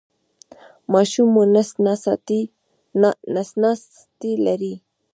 ماشوم مو نس ناستی لري؟